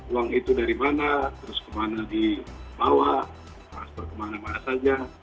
uang itu dari mana terus kemana dibawa transfer kemana mana saja